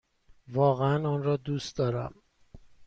واقعا آن را دوست دارم!